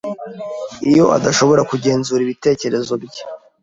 iyo adashobora kugenzura ibitekerezo bye